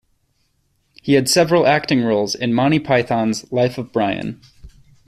He had several acting roles in "Monty Python's Life of Brian".